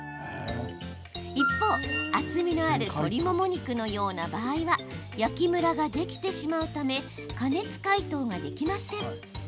一方厚みのある鶏もも肉のような場合は焼きムラが出来てしまうため加熱解凍ができません。